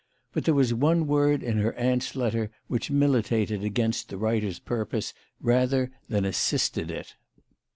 But there was one Word in her aunt's letter which militated against the writer's purpose rather than assisted it.